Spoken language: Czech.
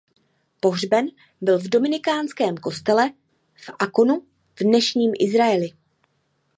Pohřben byl v dominikánském kostele v Akkonu v dnešním Izraeli.